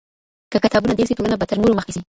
که کتابونه ډېر سي ټولنه به تر نورو مخکې سي.